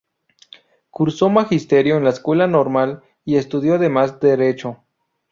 Cursó magisterio en la Escuela Normal y estudió además Derecho.